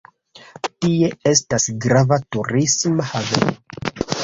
Tie estas grava turisma haveno.